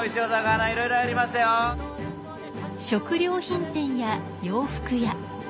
食料品店や洋服屋。